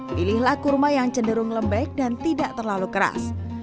pilihlah kurma yang cenderung lembek dan tidak terlalu keras